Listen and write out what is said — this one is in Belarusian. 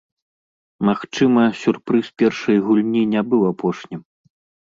Магчыма, сюрпрыз першай гульні не быў апошнім.